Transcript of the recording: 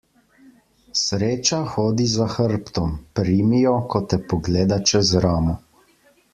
Sreča hodi za hrbtom; primi jo, ko te pogleda čez ramo.